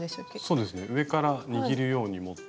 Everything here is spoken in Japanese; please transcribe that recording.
そうですね上から握るように持って。